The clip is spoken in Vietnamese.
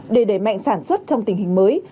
để đẩy mạnh sản xuất trong tình hình mới